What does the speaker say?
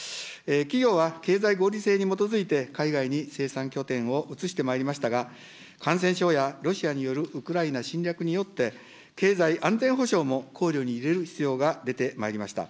企業は経済合理性に基づいて海外に生産拠点を移してまいりましたが、感染症やロシアによるウクライナ侵略によって、経済安全保障も考慮に入れる必要が出てまいりました。